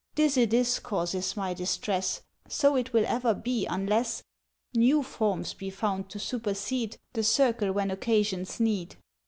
"This it is causes my distress ... So it will ever be unless "New forms be found to supersede The circle when occasions need.